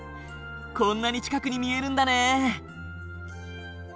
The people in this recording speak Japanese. こんなに近くに見えるんだね。